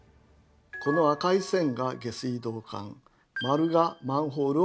この赤い線が下水道管丸がマンホールを表しています。